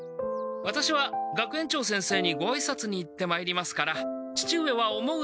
ワタシは学園長先生にごあいさつに行ってまいりますから父上は思う